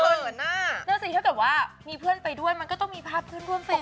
เผินอ่ะแล้วสิถ้าเกิดว่ามีเพื่อนไปด้วยมันก็ต้องมีภาพเพื่อนร่วมเฟรนด์นะ